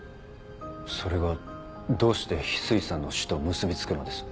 それがどうして翡翠さんの死と結び付くのです？